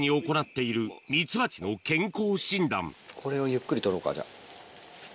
この日はこれをゆっくり取ろうかじゃあ。